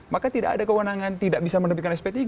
maka tidak ada kewenangan tidak bisa menerbitkan sp tiga